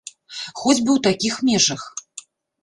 Хоць бы ў такіх межах.